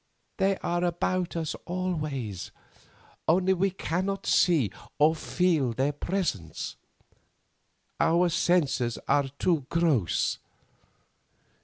They are about us always, only we cannot see or feel their presence; our senses are too gross.